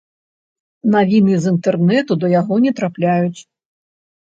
Навіны з інтэрнэту да яго не трапляюць.